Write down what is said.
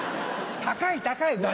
高い高い。